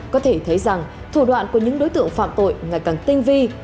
có thể thấy rằng thủ đoạn của những đối tượng phạm tội ngày càng tinh vi